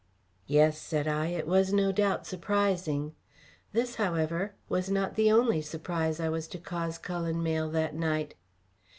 "Yes," said I, "it was no doubt surprising." This, however, was not the only surprise I was to cause Cullen Mayle that night.